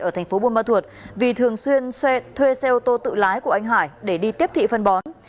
ở tp buôn ma thuột vì thường xuyên thuê xe ô tô tự lái của anh hải để đi tiếp thị phân bón